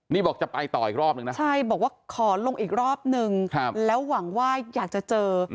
นี่บอกจะไปต่ออีกรอบนึงนะใช่บอกว่าขอลงอีกรอบนึงแล้วหวังว่าอยากจะเจอ